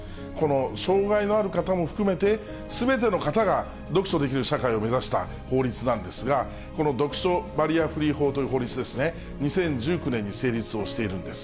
障がいのある方も含めて、すべての方が、読書できる社会を目指した法律なんですが、この読書バリアフリー法という法律ですね、２０１９年に成立をしているんです。